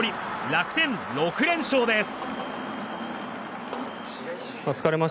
楽天、６連勝です。